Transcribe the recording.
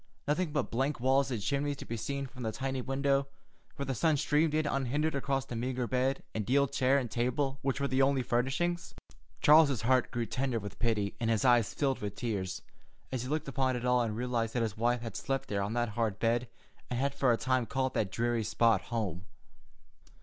Nothing but blank walls and chimneys to be seen from the tiny window, where the sun streamed in unhindered across the meagre bed and deal chair and table which were the only furnishings. Charles's heart grew tender with pity, and his eyes filled with tears, as he looked upon it all and realized that his wife had slept there on that hard bed, and had for a time called that dreary spot home.